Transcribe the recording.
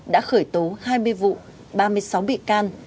đã khởi tố hai mươi vụ ba mươi sáu bị can